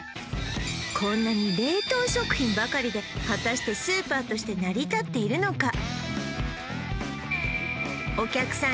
こんなに冷凍食品ばかりで果たしてスーパーとして成り立っているのか？